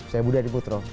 saya budi adiputro